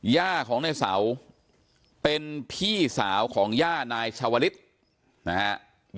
ย่าของในเสาเป็นพี่สาวของย่านายชาวลิศนะฮะ